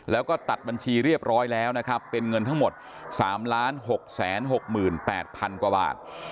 แล้วก็ตัดบัญชีเรียบร้อยแล้วนะครับเป็นเงินทั้งหมดสามล้านหกแสนหกหมื่นแปดพันกว่าบาท